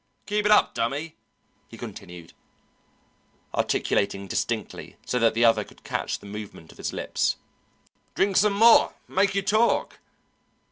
Keep it up, Dummy," he continued, articulating distinctly so that the other could catch the movement of his lips. "Drink some more make you talk."